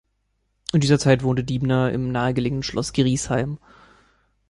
In dieser Zeit wohnte Diebner im nahe gelegenen Schloss Griesheim.